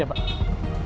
terima kasih pak